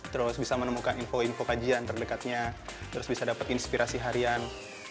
terus bisa menemukan info info kajian terdekatnya terus bisa dapat inspirasi harian